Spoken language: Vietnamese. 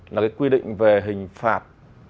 là cái quy định về hình phạt